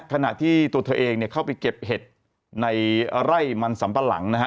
ขณะที่ตัวเธอเองเนี่ยเข้าไปเก็บเห็ดในไร่มันสัมปะหลังนะฮะ